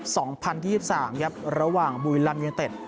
สองพันที่สามครับระหว่างบุรีลำยูเนตเต็ด